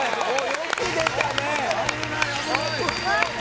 よく出たね！